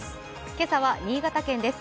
今朝は新潟県です。